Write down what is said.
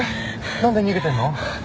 なんで逃げてんの？